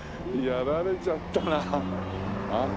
やられちゃったなあ。